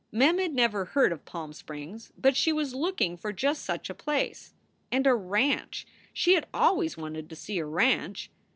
Mem had never heard of Palm Springs, but she was look ing for just such a place. And a ranch! She had always wanted to see a ranch.